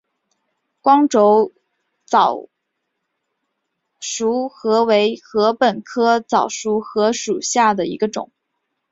光轴早熟禾为禾本科早熟禾属下的一个种。